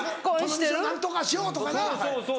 「この店を何とかしよう」とかな。